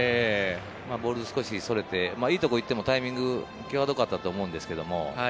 ボール少しそれて、いいところ行ってもタイミングきわどかったと思うんですけど。